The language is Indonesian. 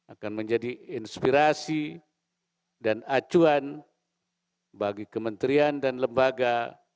akan menjadi inspirasi dan acuan bagi kementerian dan lembaga